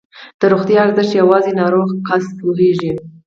د روغتیا ارزښت یوازې ناروغ کس پوهېږي.